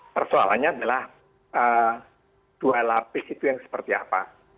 persoalannya adalah dua lapis itu yang seperti apa